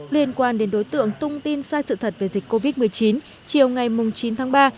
liên quan đến đối tượng tung tin sai sự thật về dịch covid một mươi chín chiều ngày chín tháng ba